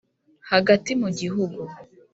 hagati mu gihugu